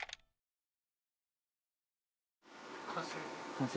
完成。